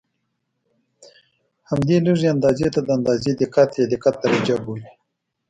همدې لږې اندازې ته د اندازې دقت یا دقت درجه بولي.